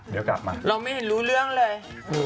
เราไม่เห็นรู้เรื่องเลย